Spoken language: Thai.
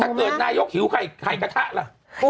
ถ้าเกิดนายกหิวไข่กระทะล่ะ